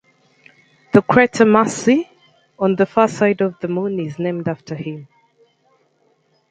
The crater Marci on the far side of the Moon is named after him.